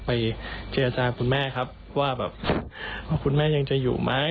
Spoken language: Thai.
ไปเชื่อสร้างคุณแม่ครับว่าแบบคุณแม่ยังจะอยู่ไหม